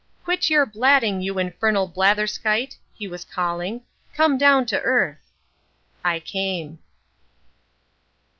"Quit your blatting, you infernal blatherskite," he was calling. "Come down to earth." I came.